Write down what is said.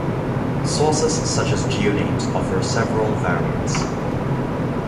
Sources, such as Geonames offer several variants.